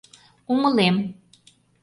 Умылем.